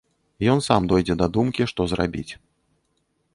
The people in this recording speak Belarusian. Ён сам дойдзе да думкі, што зрабіць.